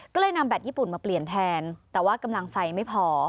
ก็เลยนำแบตญี่ปุ่นมาเปลี่ยนแทนแต่ว่ากำลังไฟไม่พอ